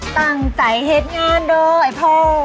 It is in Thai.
ตั้งใจเฮ็ดงานด้วยไอ้พ่อ